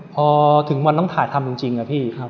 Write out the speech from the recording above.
พอถึงวันต้องถ่ายทำจริงอะพี่